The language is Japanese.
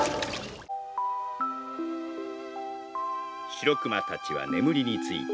シロクマたちは眠りについた。